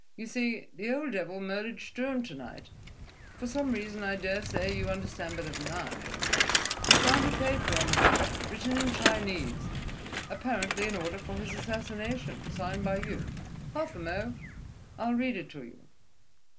You see, the old devil murdered Sturm to night, for some reason I daresay you understand better than I: we found a paper on the beggar, written in Chinese, apparently an order for his assassination signed by you. Half a mo': I'll read it to you